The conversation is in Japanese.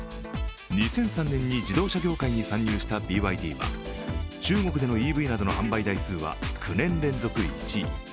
２００３年に自動車業界に参入したＢＹＤは中国でのＥＶなどの販売台数は９年連続１位。